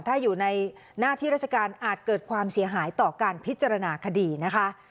ถ้าอยู่ในหน้าที่ราชการอาจเกิดความเสียหายต่อการพิจารณาคดีนะคะ